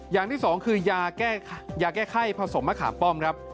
อย่างที่สองคือยาแก้ยาแก้ไข้ผสมมะขามป้อมครับ